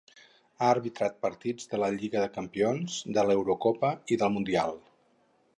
Ha arbitrat partits de la Lliga de Campions, de l'Eurocopa i del Mundial.